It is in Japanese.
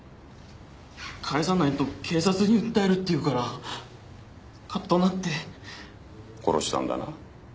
返さないと警察に訴えるって言うからカッとなって殺したんだな？